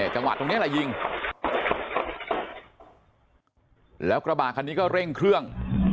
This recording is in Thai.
จังหวะแล้วยิงเที่ยวกระบาดคันนี้ก็เร่งเครื่อง